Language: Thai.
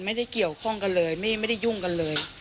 ไม่ได้เกี่ยวข้องกันเลยไม่ได้ยุ่งกันเลย